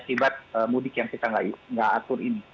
akibat mudik yang kita nggak atur ini